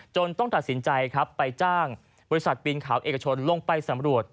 ต้องตัดสินใจครับไปจ้างบริษัทปีนขาวเอกชนลงไปสำรวจ